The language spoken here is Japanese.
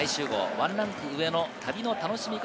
ワンランク上の旅の楽しみ方